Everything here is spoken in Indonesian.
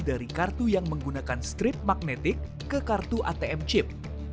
dari kartu yang menggunakan strip magnetik ke kartu atm chip